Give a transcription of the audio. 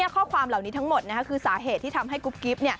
ข้อความเหล่านี้ทั้งหมดคือสาเหตุที่ทำให้กุ๊บกิ๊บ